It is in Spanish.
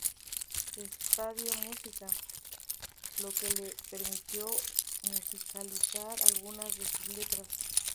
Estudió música, lo que le permitió musicalizar algunas de sus letras.